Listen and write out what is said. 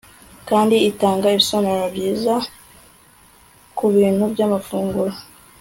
Kandi itanga ibisobanuro byiza kubintu byamafunguro